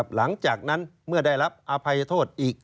หลังจากนั้นเมื่อได้รับอภัยโทษอีก